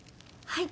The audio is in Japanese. はい。